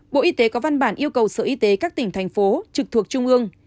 bộ y tế có văn bản yêu cầu sở y tế các tỉnh thành phố trực thuộc trung ương